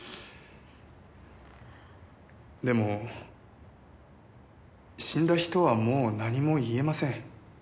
でも死んだ人はもう何も言えません。